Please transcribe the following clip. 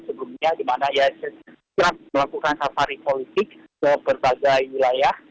sebelumnya di mana ia siap melakukan safari politik ke berbagai wilayah